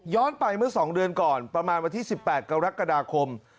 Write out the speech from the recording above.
ไปเมื่อ๒เดือนก่อนประมาณวันที่๑๘กรกฎาคม